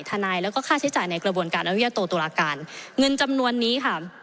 ทนายแล้วก็ค่าใช้จ่ายในกระบวนการอนุญาโตตุลาการเงินจำนวนนี้ค่ะ